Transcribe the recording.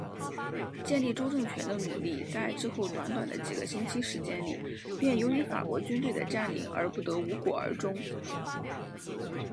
建立州政权的努力在之后短短的几个星期时间里便由于法国军队的占领而不得无果而终。